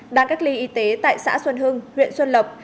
đang cách ly y tế tại xã xuân hưng huyện xuân lộc